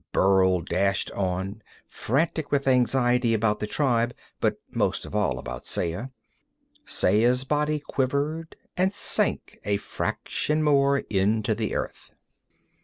Burl dashed on, frantic with anxiety about the tribe, but most of all about Saya. Saya's body quivered and sank a fraction more into the earth.